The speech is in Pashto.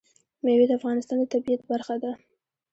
مېوې د افغانستان د طبیعت برخه ده.